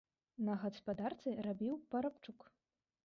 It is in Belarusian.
На гаспадарцы рабіў парабчук.